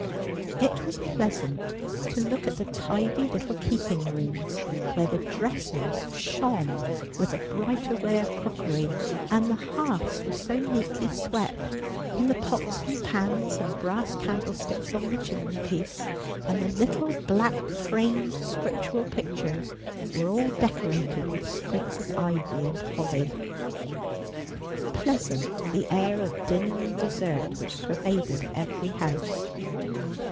It was pleasant to look in at the tidy little keep ing rooms, where the dressers shone with a bright array of crockery, and the hearths were so neatly swept, and the pots and pans and brass candlesticks on the chimney piece, and the little black framed scriptural pictures, were all decorated with sprigs of ivy and holly. Pleasant the air of dinner and dessert which pervaded every house.